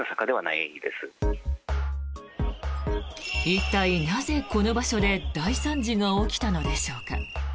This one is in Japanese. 一体、なぜこの場所で大惨事が起きたのでしょうか。